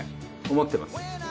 思ってます。